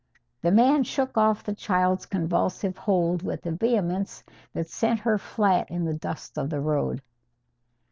The man shook off the child's convulsive hold with a vehemence that sent her flat in the dust of the road.